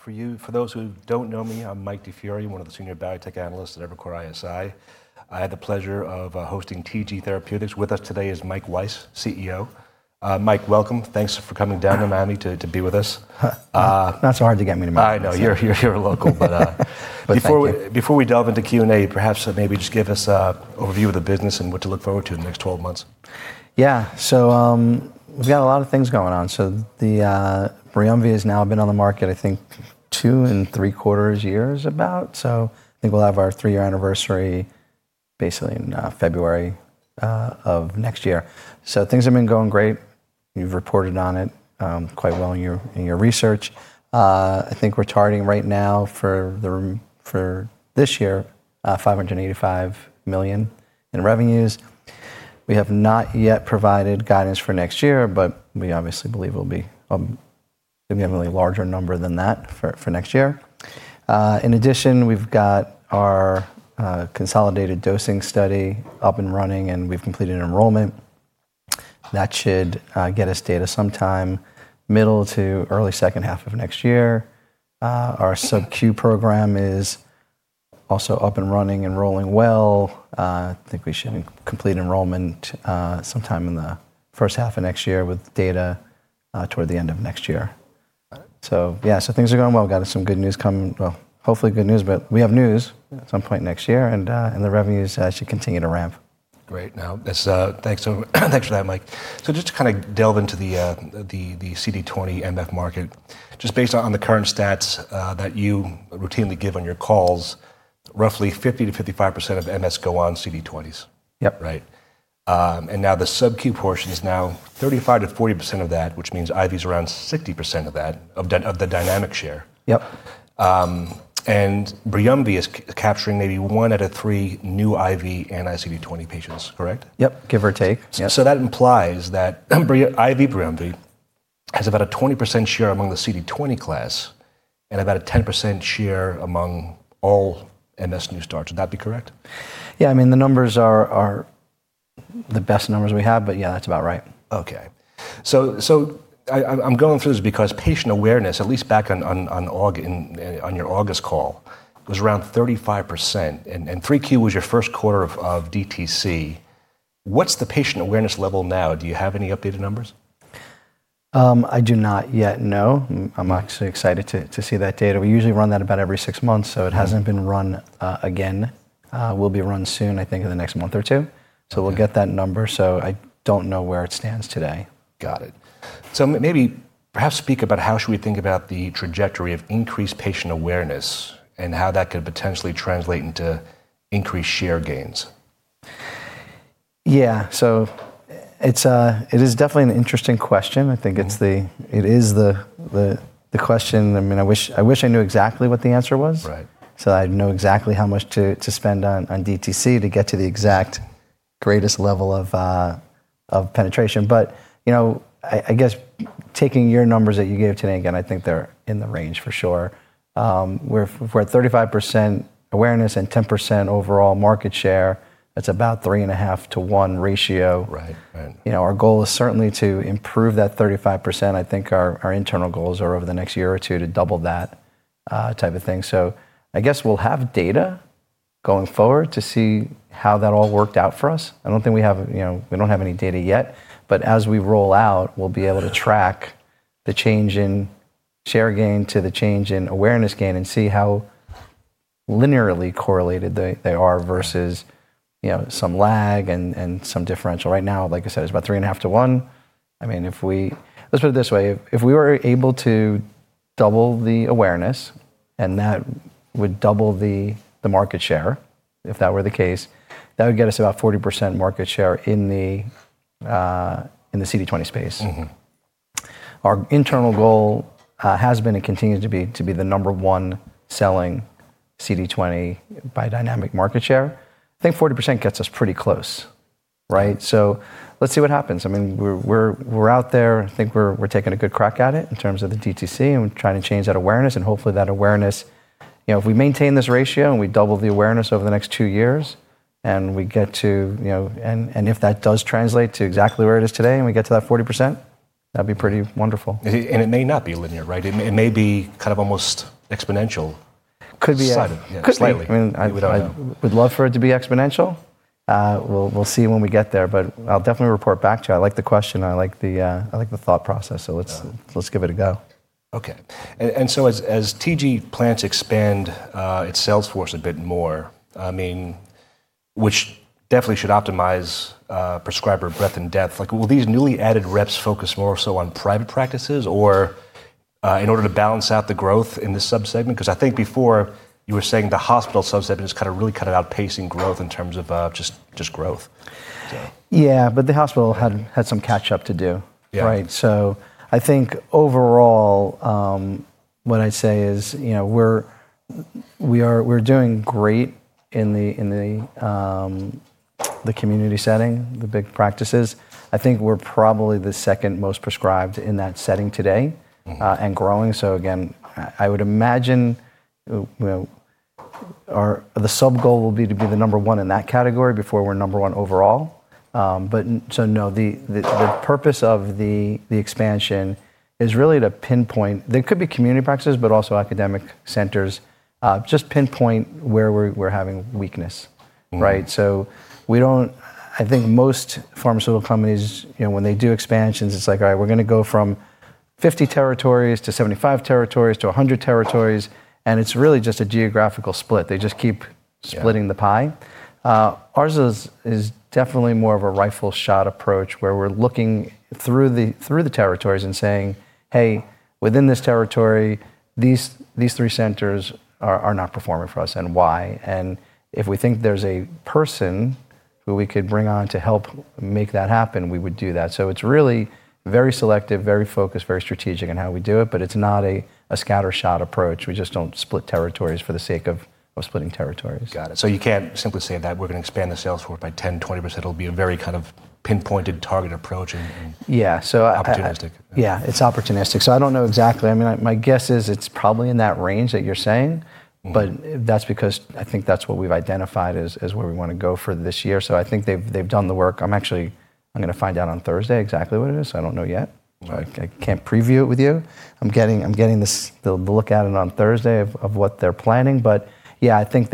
For you, for those who don't know me, I'm Michael DiFiore, one of the Senior Biotechnology Analysts at Evercore ISI. I had the pleasure of hosting TG Therapeutics. With us today is Michael Weiss, CEO. Michael, welcome. Thanks for coming down to Miami to be with us. Not so hard to get me to Miami. I know you're local, but before we delve into Q&A, perhaps maybe just give us an overview of the business and what to look forward to in the next 12 months. Yeah, so we've got a lot of things going on. So the Briumvi has now been on the market, I think, two and three quarters years about. So I think we'll have our three-year anniversary basically in February of next year. So things have been going great. You've reported on it quite well in your research. I think we're targeting right now for this year $585 million in revenues. We have not yet provided guidance for next year, but we obviously believe we'll be a significantly larger number than that for next year. In addition, we've got our consolidated dosing study up and running, and we've completed enrollment. That should get us data sometime middle to early second half of next year. Our sub-Q program is also up and running, enrolling well. I think we should complete enrollment sometime in the first half of next year with data toward the end of next year. Yeah, things are going well. We've got some good news coming. Hopefully good news, but we have news at some point next year, and the revenues should continue to ramp. Great. Now, thanks for that, Mike. Just to kind of delve into the CD20 MS market, just based on the current stats that you routinely give on your calls, roughly 50-55% of MSs go on CD20s. Yep. Right? And now the Sub-Q portion is now 35%-40% of that, which means IV is around 60% of that, of the dynamic share. Yep. Briumvi is capturing maybe one out of three new IV anti-CD20 patients, correct? Yep, give or take. That implies that IV Briumvi has about a 20% share among the CD20 class and about a 10% share among all MS new starts. Would that be correct? Yeah, I mean, the numbers are the best numbers we have, but yeah, that's about right. Okay. I'm going through this because patient awareness, at least back on your August call, was around 35%, and 3Q was your first quarter of DTC. What's the patient awareness level now? Do you have any updated numbers? I do not yet, no. I'm actually excited to see that data. We usually run that about every six months, so it hasn't been run again. It will be run soon, I think, in the next month or two. We'll get that number. I don't know where it stands today. Got it. Maybe perhaps speak about how should we think about the trajectory of increased patient awareness and how that could potentially translate into increased share gains. Yeah, so it is definitely an interesting question. I think it is the question. I mean, I wish I knew exactly what the answer was. Right. I'd know exactly how much to spend on DTC to get to the exact greatest level of penetration. I guess taking your numbers that you gave today, again, I think they're in the range for sure. We're at 35% awareness and 10% overall market share. That's about three and a half to one ratio. Right. Our goal is certainly to improve that 35%. I think our internal goals are over the next year or two to double that type of thing. I guess we'll have data going forward to see how that all worked out for us. I don't think we have any data yet, but as we roll out, we'll be able to track the change in share gain to the change in awareness gain and see how linearly correlated they are versus some lag and some differential. Right now, like I said, it's about three and a half to one. I mean, let's put it this way. If we were able to double the awareness and that would double the market share, if that were the case, that would get us about 40% market share in the CD20 space. Our internal goal has been and continues to be to be the number one selling CD20 by dynamic market share. I think 40% gets us pretty close, right? Let's see what happens. I mean, we're out there. I think we're taking a good crack at it in terms of the DTC and trying to change that awareness. Hopefully that awareness, if we maintain this ratio and we double the awareness over the next two years and we get to, and if that does translate to exactly where it is today and we get to that 40%, that'd be pretty wonderful. It may not be linear, right? It may be kind of almost exponential. Could be slightly. Yeah, slightly. I mean, I would love for it to be exponential. We'll see when we get there, but I'll definitely report back to you. I like the question. I like the thought process. Let's give it a go. Okay. As TG plans to expand its sales force a bit more, I mean, which definitely should optimize prescriber breadth and depth, will these newly added reps focus more so on private practices in order to balance out the growth in this subsegment? Because I think before you were saying the hospital subsegment is kind of really kind of outpacing growth in terms of just growth. Yeah, but the hospital had some catch-up to do, right? I think overall, what I'd say is we're doing great in the community setting, the big practices. I think we're probably the second most prescribed in that setting today and growing. I would imagine the sub-goal will be to be the number one in that category before we're number one overall. No, the purpose of the expansion is really to pinpoint, there could be community practices, but also academic centers, just pinpoint where we're having weakness, right? I think most pharmaceutical companies, when they do expansions, it's like, all right, we're going to go from 50 territories to 75 territories to 100 territories. It's really just a geographical split. They just keep splitting the pie. Ours is definitely more of a rifle shot approach where we're looking through the territories and saying, hey, within this territory, these three centers are not performing for us and why. If we think there's a person who we could bring on to help make that happen, we would do that. It is really very selective, very focused, very strategic in how we do it, but it's not a scattershot approach. We just don't split territories for the sake of splitting territories. Got it. You can't simply say that we're going to expand the sales force by 10-20%. It'll be a very kind of pinpointed target approach and opportunistic. Yeah, it's opportunistic. I don't know exactly. I mean, my guess is it's probably in that range that you're saying, but that's because I think that's what we've identified as where we want to go for this year. I think they've done the work. I'm actually going to find out on Thursday exactly what it is. I don't know yet. I can't preview it with you. I'm getting the look at it on Thursday of what they're planning. I think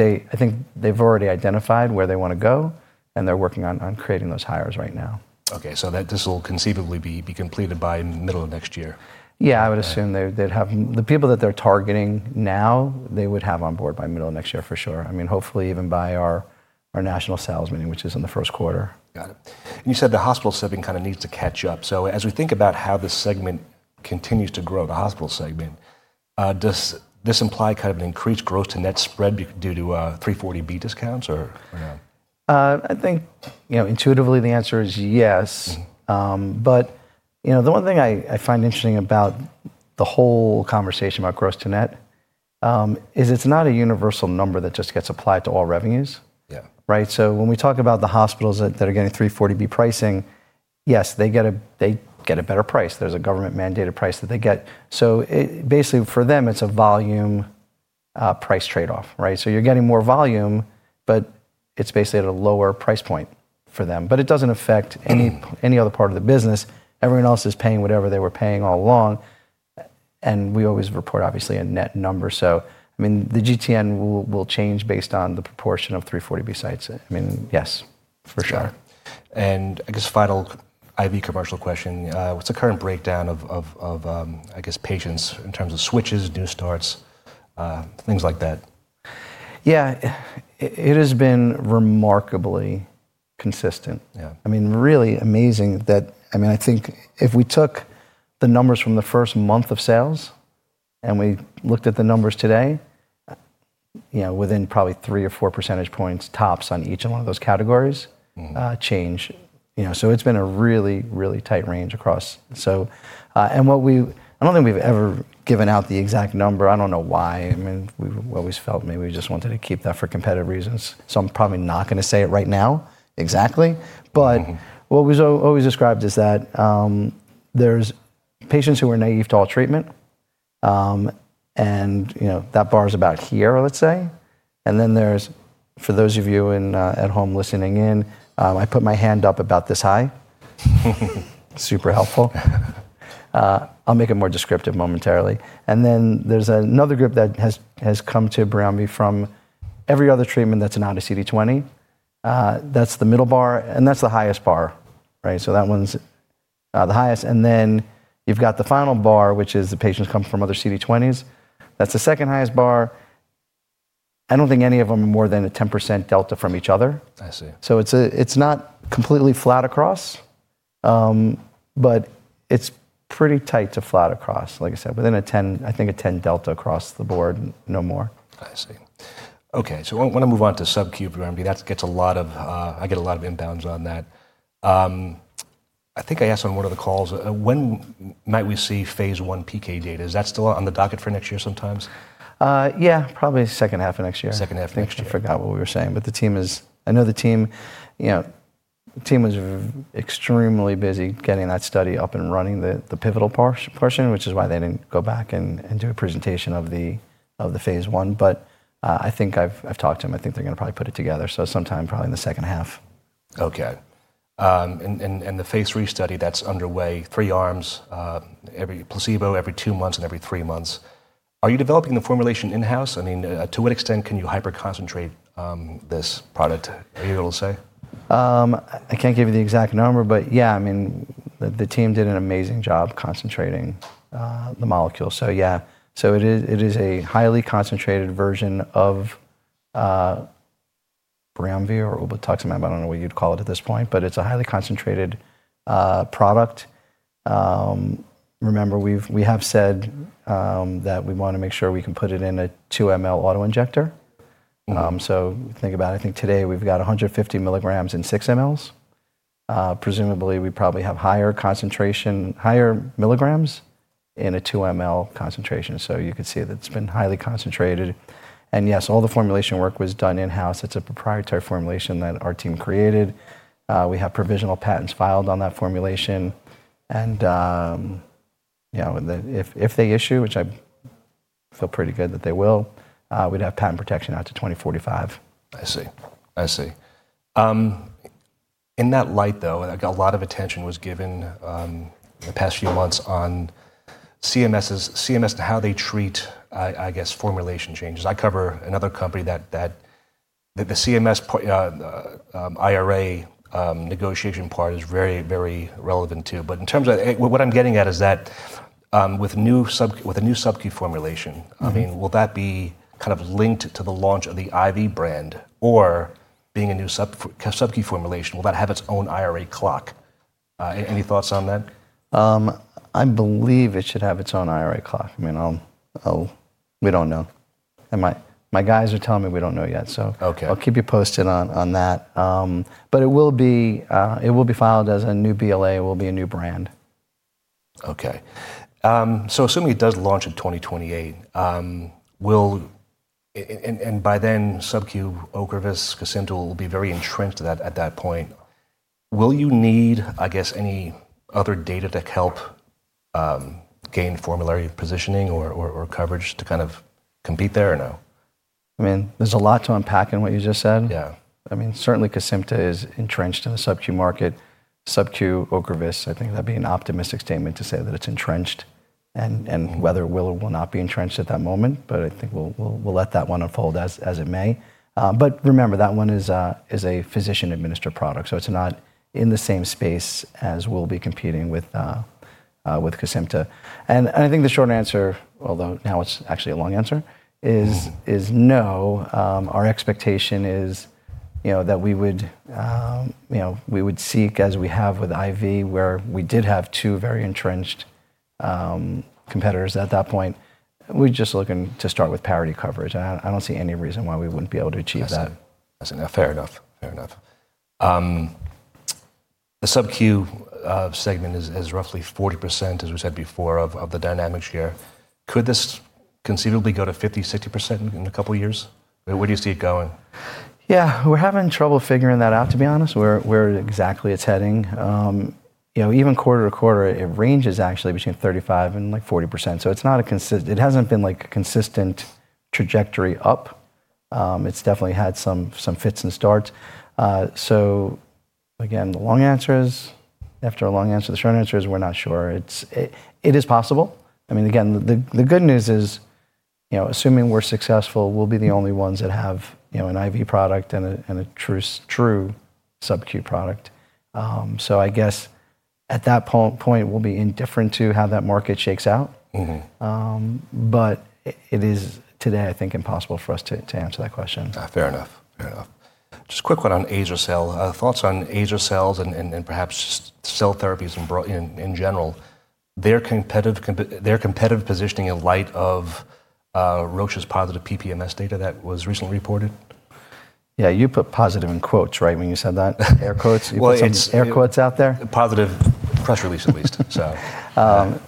they've already identified where they want to go and they're working on creating those hires right now. Okay. So that this will conceivably be completed by middle of next year. Yeah, I would assume they'd have the people that they're targeting now, they would have on board by middle of next year for sure. I mean, hopefully even by our national sales meeting, which is in the first quarter. Got it. You said the hospital segment kind of needs to catch up. As we think about how this segment continues to grow, the hospital segment, does this imply kind of an increased gross-to-net spread due to 340B discounts or no? I think intuitively the answer is yes. The one thing I find interesting about the whole conversation about gross-to-net is it's not a universal number that just gets applied to all revenues, right? When we talk about the hospitals that are getting 340B pricing, yes, they get a better price. There's a government-mandated price that they get. Basically for them, it's a volume price trade-off, right? You're getting more volume, but it's basically at a lower price point for them. It doesn't affect any other part of the business. Everyone else is paying whatever they were paying all along. We always report obviously a net number. I mean, the gross-to-net will change based on the proportion of 340B sites. I mean, yes, for sure. I guess final IV commercial question. What's the current breakdown of, I guess, patients in terms of switches, new starts, things like that? Yeah, it has been remarkably consistent. I mean, really amazing that, I mean, I think if we took the numbers from the first month of sales and we looked at the numbers today, within probably three or four percentage points tops on each and one of those categories change. It's been a really, really tight range across. I don't think we've ever given out the exact number. I don't know why. I mean, we've always felt maybe we just wanted to keep that for competitive reasons. I'm probably not going to say it right now exactly. What was always described is that there's patients who are naive to all treatment and that bar is about here, let's say. Then there's, for those of you at home listening in, I put my hand up about this high. Super helpful. I'll make it more descriptive momentarily. There is another group that has come to Briumvi from every other treatment that is not a CD20. That is the middle bar and that is the highest bar, right? That one is the highest. You have the final bar, which is the patients come from other CD20s. That is the second highest bar. I do not think any of them are more than a 10% delta from each other. I see. It is not completely flat across, but it is pretty tight to flat across. Like I said, within a 10, I think a 10 delta across the board, no more. I see. Okay. I want to move on to sub-Q Briumvi. That gets a lot of, I get a lot of inbounds on that. I think I asked on one of the calls, when might we see phase I PK data? Is that still on the docket for next year sometimes? Yeah, probably second half of next year. Second half of next year. I forgot what we were saying, but the team is, I know the team was extremely busy getting that study up and running, the pivotal portion, which is why they didn't go back and do a presentation of the phase I. I think I've talked to them. I think they're going to probably put it together. Sometime probably in the second half. Okay. The phase three study that's underway, three arms, placebo every two months and every three months. Are you developing the formulation in-house? I mean, to what extent can you hyper-concentrate this product? Are you able to say? I can't give you the exact number, but yeah, I mean, the team did an amazing job concentrating the molecule. Yeah, it is a highly concentrated version of Briumvi or ublituximab. I don't know what you'd call it at this point, but it's a highly concentrated product. Remember, we have said that we want to make sure we can put it in a 2 ml auto injector. Think about it. I think today we've got 150 milligrams in 6 ml. Presumably, we probably have higher concentration, higher milligrams in a 2 ml concentration. You could see that it's been highly concentrated. Yes, all the formulation work was done in-house. It's a proprietary formulation that our team created. We have provisional patents filed on that formulation. If they issue, which I feel pretty good that they will, we'd have patent protection out to 2045. I see. I see. In that light though, a lot of attention was given in the past few months on CMS and how they treat, I guess, formulation changes. I cover another company that the CMS IRA negotiation part is very, very relevant to. In terms of what I'm getting at is that with a new sub-Q formulation, I mean, will that be kind of linked to the launch of the IV brand or being a new sub-Q formulation? Will that have its own IRA clock? Any thoughts on that? I believe it should have its own IRA clock. I mean, we do not know. My guys are telling me we do not know yet. I will keep you posted on that. It will be filed as a new BLA. It will be a new brand. Okay. Assuming it does launch in 2028, and by then sub-Q Ocrevus, Kesimpta will be very entrenched at that point. Will you need, I guess, any other data to help gain formulary positioning or coverage to kind of compete there or no? I mean, there's a lot to unpack in what you just said. Yeah, I mean, certainly Kesimpta is entrenched in the sub-Q market. Sub-Q Ocrevus, I think that'd be an optimistic statement to say that it's entrenched and whether it will or will not be entrenched at that moment. I think we'll let that one unfold as it may. Remember, that one is a physician-administered product. It's not in the same space as we'll be competing with Kesimpta. I think the short answer, although now it's actually a long answer, is no. Our expectation is that we would seek as we have with IV, where we did have two very entrenched competitors at that point. We're just looking to start with parity coverage. I don't see any reason why we wouldn't be able to achieve that. I see. I see. Fair enough. Fair enough. The sub-Q segment is roughly 40%, as we said before, of the dynamics here. Could this conceivably go to 50-60% in a couple of years? Where do you see it going? Yeah, we're having trouble figuring that out, to be honest. Where exactly it's heading. Even quarter to quarter, it ranges actually between 35-40%. So it's not a consistent, it hasn't been like a consistent trajectory up. It's definitely had some fits and starts. Again, the long answer is, after a long answer, the short answer is we're not sure. It is possible. I mean, again, the good news is assuming we're successful, we'll be the only ones that have an IV product and a true sub-Q product. I guess at that point, we'll be indifferent to how that market shakes out. It is today, I think, impossible for us to answer that question. Fair enough. Fair enough. Just a quick one on Azer-cel. Thoughts on Azer-cel and perhaps cell therapies in general? Their competitive positioning in light of Roche's positive PPMS data that was recently reported? Yeah, you put positive in quotes, right, when you said that? Air quotes? It's air quotes out there. Positive press release at least.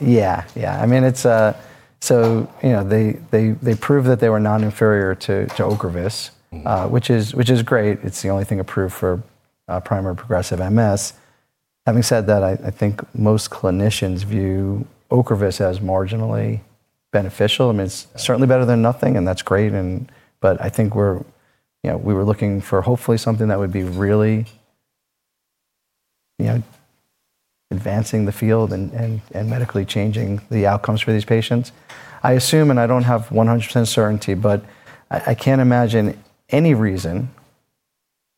Yeah, yeah. I mean, so they proved that they were non-inferior to Ocrevus, which is great. It's the only thing approved for primary progressive MS. Having said that, I think most clinicians view Ocrevus as marginally beneficial. I mean, it's certainly better than nothing and that's great. I think we were looking for hopefully something that would be really advancing the field and medically changing the outcomes for these patients. I assume, and I don't have 100% certainty, but I can't imagine any reason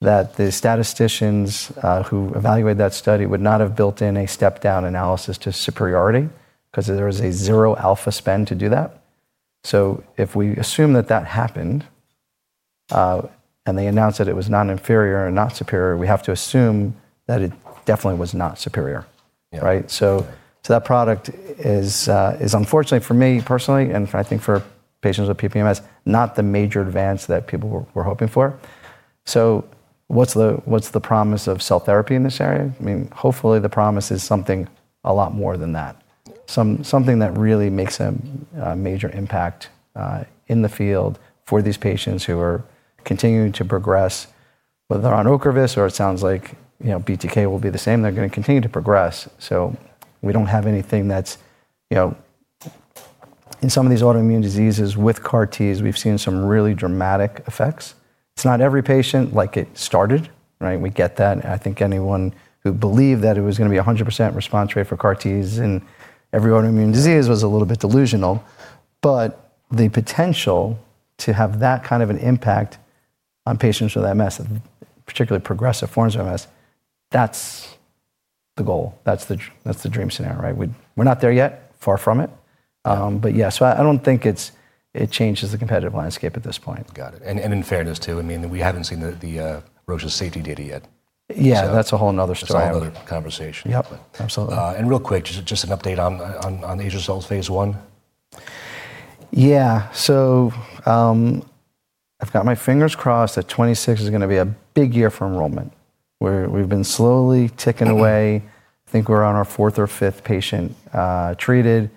that the statisticians who evaluated that study would not have built in a step-down analysis to superiority because there was a zero alpha spend to do that. If we assume that that happened and they announced that it was non-inferior and not superior, we have to assume that it definitely was not superior, right? That product is unfortunately for me personally and I think for patients with PPMS, not the major advance that people were hoping for. What's the promise of cell therapy in this area? I mean, hopefully the promise is something a lot more than that. Something that really makes a major impact in the field for these patients who are continuing to progress, whether they're on Ocrevus or it sounds like BTK will be the same, they're going to continue to progress. We don't have anything that's, in some of these autoimmune diseases with CAR-Ts, we've seen some really dramatic effects. It's not every patient like it started, right? We get that. I think anyone who believed that it was going to be a 100% response rate for CAR-Ts in every autoimmune disease was a little bit delusional. The potential to have that kind of an impact on patients with MS, particularly progressive forms of MS, that's the goal. That's the dream scenario, right? We're not there yet, far from it. Yeah, I don't think it changes the competitive landscape at this point. Got it. In fairness too, I mean, we haven't seen Roche's safety data yet. Yeah, that's a whole another story. That's a whole nother conversation. Yep, absolutely. Just a real quick update on Azer-cel's phase I? Yeah. I've got my fingers crossed that 2026 is going to be a big year for enrollment. We've been slowly ticking away. I think we're on our fourth or fifth patient treated,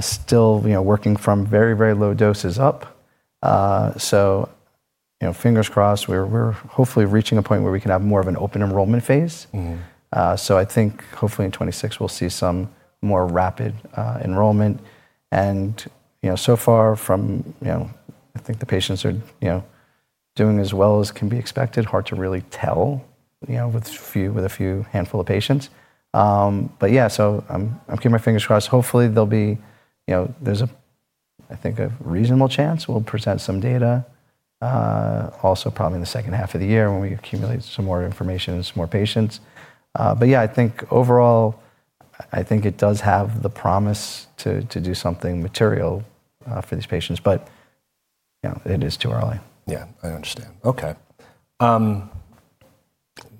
still working from very, very low doses up. Fingers crossed, we're hopefully reaching a point where we can have more of an open enrollment phase. I think hopefully in 2026 we'll see some more rapid enrollment. So far, I think the patients are doing as well as can be expected. Hard to really tell with a handful of patients. Yeah, I'm keeping my fingers crossed. Hopefully there'll be, there's a, I think a reasonable chance we'll present some data, also probably in the second half of the year when we accumulate some more information, some more patients. Yeah, I think overall, I think it does have the promise to do something material for these patients, but it is too early. Yeah, I understand. Okay.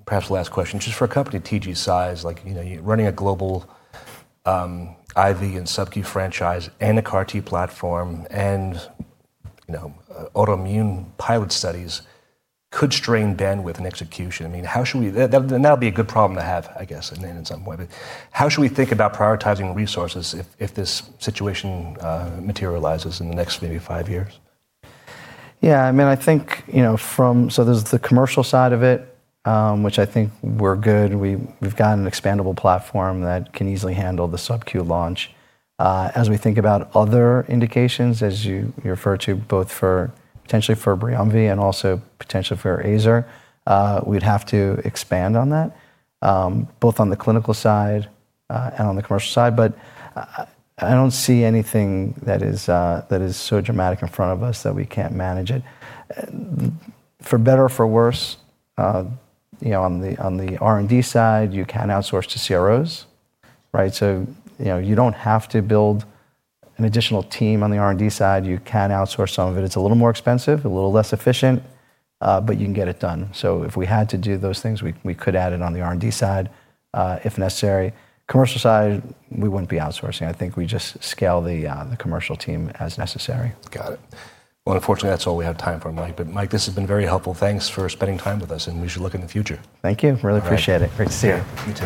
Perhaps last question. Just for a company TG size, like running a global IV and sub-Q franchise and a CAR-T platform and autoimmune pilot studies could strain bandwidth and execution. I mean, how should we, that'll be a good problem to have, I guess, in some way. I mean, how should we think about prioritizing resources if this situation materializes in the next maybe five years? Yeah, I mean, I think from, so there's the commercial side of it, which I think we're good. We've got an expandable platform that can easily handle the sub-Q launch. As we think about other indications, as you refer to both for potentially for Briumvi and also potentially for Azer-cel, we'd have to expand on that, both on the clinical side and on the commercial side. I don't see anything that is so dramatic in front of us that we can't manage it. For better or for worse, on the R&D side, you can outsource to CROs, right? You don't have to build an additional team on the R&D side. You can outsource some of it. It's a little more expensive, a little less efficient, but you can get it done. If we had to do those things, we could add it on the R&D side if necessary. Commercial side, we would not be outsourcing. I think we just scale the commercial team as necessary. Got it. Unfortunately, that's all we have time for, Mike. Mike, this has been very helpful. Thanks for spending time with us and we should look in the future. Thank you. Really appreciate it. Great to see you. Thank you.